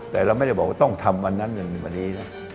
แต่เราไม่ได้บอกว่าต้องทำวันนั้นหรือวันนี้นะ